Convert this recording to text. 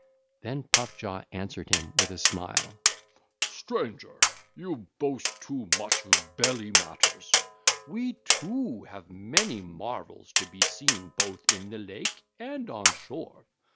(ll. 56 64) Then Puff jaw answered him with a smile: 'Stranger you boast too much of belly matters: we too have many marvels to be seen both in the lake and on the shore.